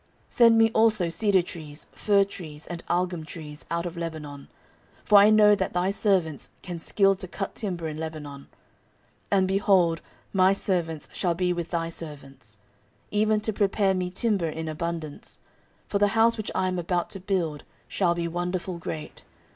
14:002:008 Send me also cedar trees, fir trees, and algum trees, out of Lebanon: for I know that thy servants can skill to cut timber in Lebanon; and, behold, my servants shall be with thy servants, 14:002:009 Even to prepare me timber in abundance: for the house which I am about to build shall be wonderful great.